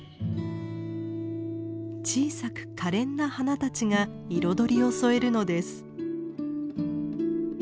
小さくかれんな花たちが彩りを添えるのです。